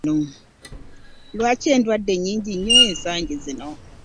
Lwaki endwadde nnnnyingi nnyo ensangi zino?